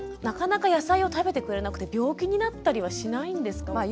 なかなか野菜を食べてくれなくて病気になったりはしないんですか？